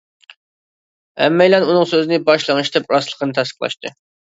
ھەممەيلەن ئۇنىڭ سۆزىنى باش لىڭشىتىپ راستلىقىنى تەستىقلاشتى.